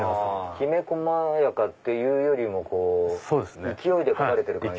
きめ細やかっていうよりも勢いで描かれてる感じ。